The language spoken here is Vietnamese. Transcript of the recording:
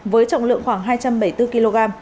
với trọng lượng khoảng hai trăm bảy mươi bốn kg